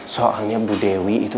soalnya bu dewi itu